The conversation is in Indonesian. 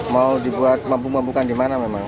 mau dibuat mampu memambukan di mana memang